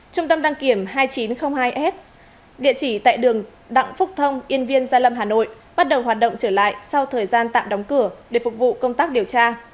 trung tâm đăng kiểm hai nghìn chín trăm linh hai s địa chỉ tại đường đặng phúc thông yên viên gia lâm hà nội bắt đầu hoạt động trở lại sau thời gian tạm đóng cửa để phục vụ công tác điều tra